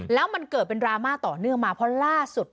แล้วมันเกิดเป็นดราม่าต่อเนื่องมาเพราะล่าสุด